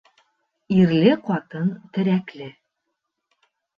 Ирле ҡатын терәкле